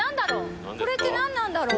これって何なんだろう？